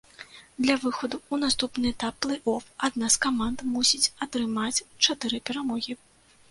Для выхаду ў наступны этап плэй-оф адна з каманд мусіць атрымаць чатыры перамогі.